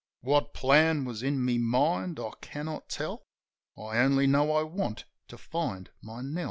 What plan was in my mind I cannot tell; I only know I want to find my Nell.